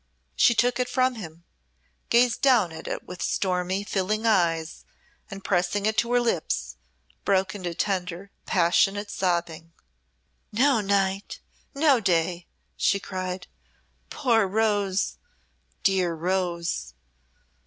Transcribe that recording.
She took it from him gazed down at it with stormy, filling eyes, and pressing it to her lips, broke into tender, passionate sobbing. "No night, no day!" she cried. "Poor rose! dear rose!"